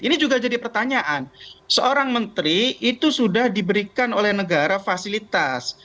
ini juga jadi pertanyaan seorang menteri itu sudah diberikan oleh negara fasilitas